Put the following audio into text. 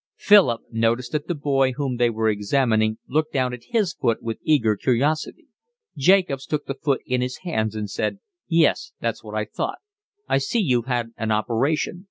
Philip noticed that the boy whom they were examining looked down at his foot with eager curiosity. Jacobs took the foot in his hands and said: "Yes, that's what I thought. I see you've had an operation.